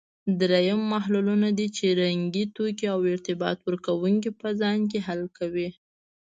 دریم محللونه دي چې رنګي توکي او ارتباط ورکوونکي په ځان کې حل کوي.